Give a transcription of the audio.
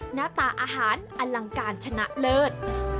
หน้าตาอาหารอลังการชนะเลิศ